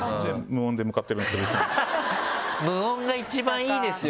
無音が一番いいですよね。